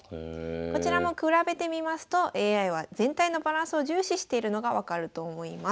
こちらも比べてみますとＡＩは全体のバランスを重視しているのが分かると思います。